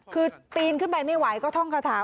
คือปีนขึ้นไปไม่ไหวก็ท่องคาถา